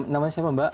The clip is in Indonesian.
namanya siapa mbak